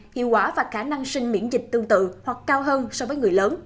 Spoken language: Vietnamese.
hiệu quả và khả năng sinh miễn dịch tương tự hoặc cao hơn so với người lớn